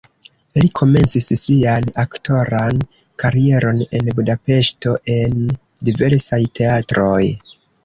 Li komencis sian aktoran karieron en Budapeŝto en diversaj teatroj.